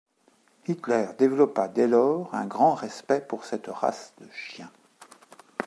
Hitler développa dès lors un grand respect pour cette race de chiens.